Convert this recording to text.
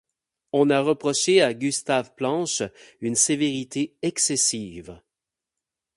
On a reproché à Gustave Planche une sévérité excessive.